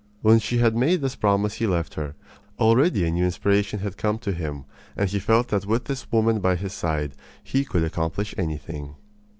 When she had made this promise he left her. Already a new inspiration had come to him, and he felt that with this woman by his side he could accomplish anything.